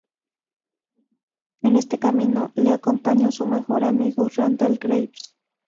En este camino le acompañó su mejor amigo Randal Graves.